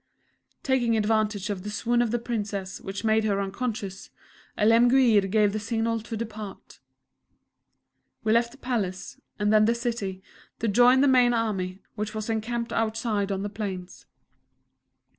Taking advantage of the swoon of the Princess, which made her unconscious, Alemguir gave the signal to depart. We left the Palace, and then the City, to join the main army, which was encamped outside on the plains.